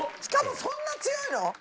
しかもそんな強いの？